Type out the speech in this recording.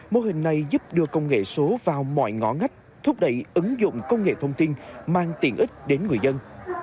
mô hình này giúp đưa công nghệ số vào mọi ngõ ngách thúc đẩy ứng dụng công nghệ thông tin mang tiện ích đến người dân